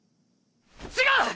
違う！